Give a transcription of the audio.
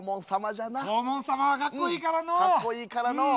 黄門様はかっこいいからのう。